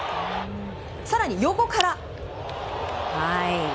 更に、横から。